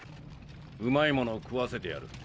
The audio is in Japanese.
うまいものを食わせてやる。